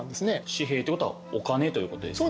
紙幣ということはお金ということですか。